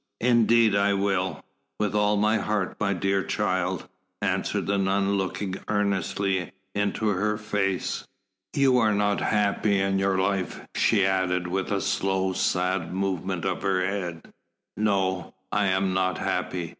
"Indeed I will with all my heart, my dear child," answered the nun looking earnestly into her face. "You are not happy in your life," she added, with a slow, sad movement of her head. "No I am not happy.